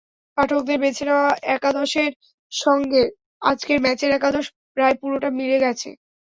পাঠকদের বেছে নেওয়া একাদশের সঙ্গে আজকের ম্যাচের একাদশ প্রায় পুরোটাই মিলে গেছে।